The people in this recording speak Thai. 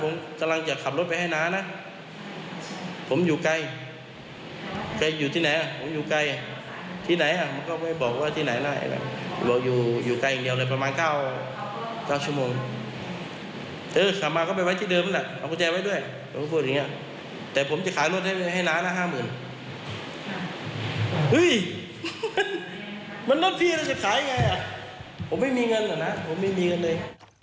มันนั่นพี่จะขายยังไงอ่ะผมไม่มีเงินอ่ะนะผมไม่มีเงินเลย